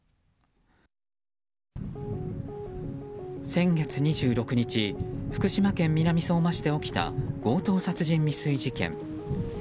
先月２６日福島県南相馬市で起きた強盗殺人未遂事件。